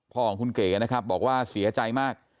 พ่อของคุณเก๋นะครับบอกว่าเสียใจมาก